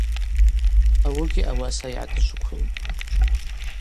Ауыгьи ауаса йгӏатӏжвыквылтӏ.